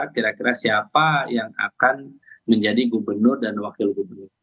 kira kira siapa yang akan menjadi gubernur dan wakil gubernur